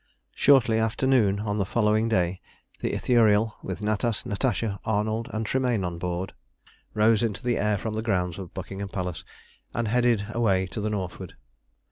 Shortly after noon on the following day the Ithuriel, with Natas, Natasha, Arnold, and Tremayne on board, rose into the air from the grounds of Buckingham Palace and headed away to the northward.